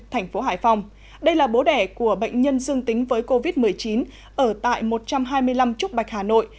thành phố hải phòng đây là bố đẻ của bệnh nhân dương tính với covid một mươi chín ở tại một trăm hai mươi năm trúc bạch hà nội